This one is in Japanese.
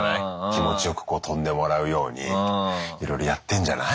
気持ちよく飛んでもらうようにいろいろやってんじゃない？